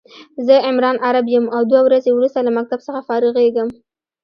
زه عمران عرب يم او دوه ورځي وروسته له مکتب څخه فارغيږم